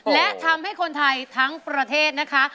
และทำให้คนไทยทั้งประเทศนะคะ